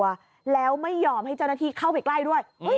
แล้วไม่ยอมให้เจ้าหน้าที่เข้าไปใกล้ด้วย